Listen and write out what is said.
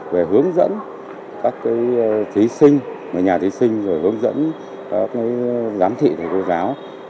về hướng dẫn các thí sinh nhà thí sinh hướng dẫn giám thị thầy cô giáo